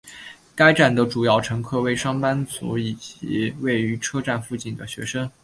该站的主要乘客为上班族以及位于车站附近的的学生。